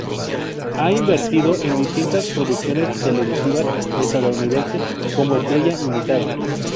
Ha intervenido en distintas producciones televisivas estadounidenses como estrella invitada.